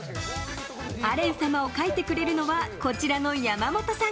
アレン様を描いてくれるのはこちらの山本さん。